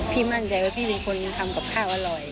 มั่นใจว่าพี่เป็นคนทำกับข้าวอร่อย